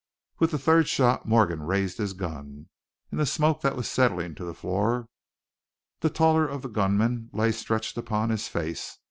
With the third shot Morgan raised his gun. In the smoke that was settling to the floor the taller of the gunmen lay stretched upon his face.